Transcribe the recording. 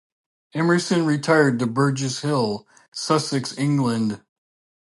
Emerson retired to Burgess Hill, Sussex, England.